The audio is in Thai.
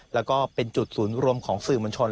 แล้วก็เป็นจุดศูนย์รวมของสื่อมวลชน